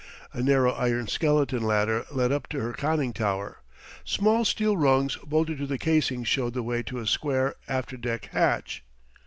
A narrow iron skeleton ladder led up to her conning tower; small steel rungs bolted to the casing showed the way to a square after deck hatch.